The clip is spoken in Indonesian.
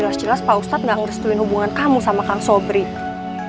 jelas jelas pak ustad gak ngerestuin hubungan kamu sama kang sobrie